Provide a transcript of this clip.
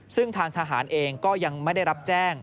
ซึ่งทางทหารเองก็ยังไม่ได้รับแจ้ง